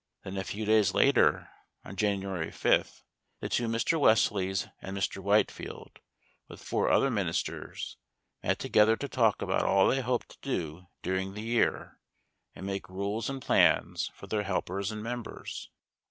Then a few days later, on January 5th, the two Mr. Wesleys and Mr. Whitefield, with four other ministers, met together to talk about all they hoped to do during the year, and make rules and plans for their helpers and members.